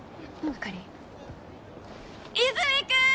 あかり和泉くん！